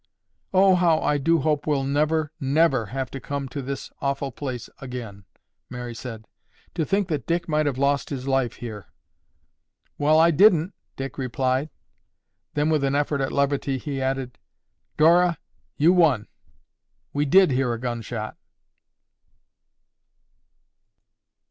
"Oh, how I do hope we'll never, never have to come to this awful place again," Mary said. "To think that Dick might have lost his life here." "Well, I didn't!" Dick replied. Then, with an effort at levity, he added, "Dora, you won! We did hear a gun shot."